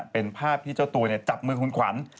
เป็นภาพที่เจ้าตัวจับมือคุณขวัญ